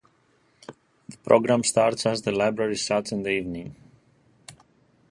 The programme starts as the library shuts in the evening.